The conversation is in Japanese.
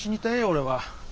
俺は。